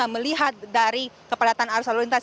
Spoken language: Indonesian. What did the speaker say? melihat dari kepadatan arus lalu lintas